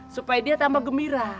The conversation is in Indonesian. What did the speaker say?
supaya dia tambah gembira